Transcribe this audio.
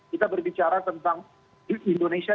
kita berbicara tentang indonesia dua ribu empat puluh lima